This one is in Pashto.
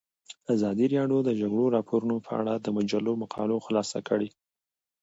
ازادي راډیو د د جګړې راپورونه په اړه د مجلو مقالو خلاصه کړې.